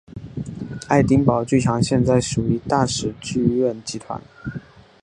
爱丁堡剧场现在属于大使剧院集团。